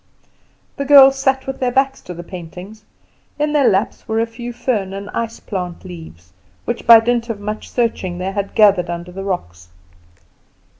The girls sat with their backs to the paintings. In their laps were a few fern and ice plant leaves, which by dint of much searching they had gathered under the rocks.